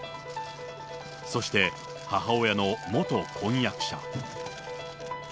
そして、母親の元婚約者。